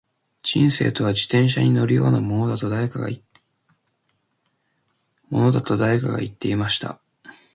•人生とは、自転車に乗るようなものだと誰かが言っていました。